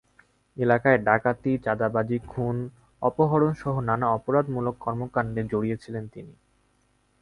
এলাকায় ডাকাতি, চাঁদাবাজি, খুন, অপহরণসহ নানা অপরাধমূলক কর্মকাণ্ডে জড়িত ছিলেন তিনি।